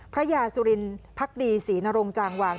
พระยาสุรินพักดีศรีนรงจางวาง